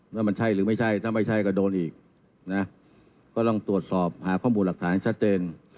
ว่ามันใช่หรือไม่ใช่ถ้าไม่ใช่ก็โดนอีกนะก็ต้องตรวจสอบหาข้อมูลหลักฐานให้ชัดเจน